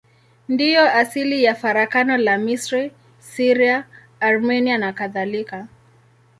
Ndiyo asili ya farakano la Misri, Syria, Armenia nakadhalika.